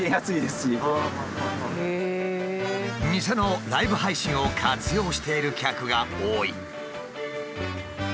店のライブ配信を活用している客が多い。